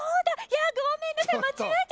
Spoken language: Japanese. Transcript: いやごめんなさい。